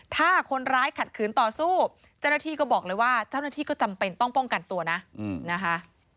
ถ้าคนร้ายขัดขืนต่อสู้เจ้าหน้าที่ก็บอกเลยว่าเจ้าหน้าที่ก็จำเป็นต้องป้องกันตัวนะนะคะ